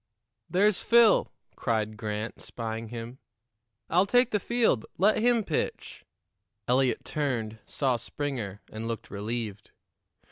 "There's Phil," cried Grant, spying him. "I'll take the field. Let him pitch." Eliot turned, saw Springer, and looked relieved.